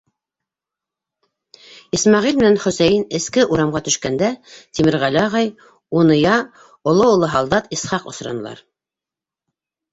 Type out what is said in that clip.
Исмәғил менән Хөсәйен эске урамға төшкәндә, Тимерғәле ағай, уныя, оло улы һалдат Исхаҡ осранылар.